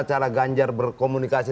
cara ganjar berkomunikasi